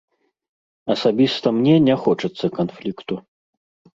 Асабіста мне не хочацца канфлікту.